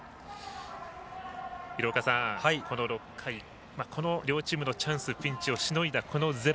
廣岡さん、６回両チームのチャンス、ピンチをしのいだ、このゼロ。